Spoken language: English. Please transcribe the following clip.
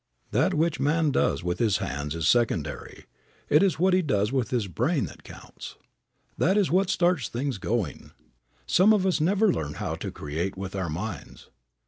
That which man does with his hands is secondary. It is what he does with his brain that counts. That is what starts things going. Some of us never learn how to create with our minds.